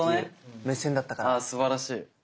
あすばらしい。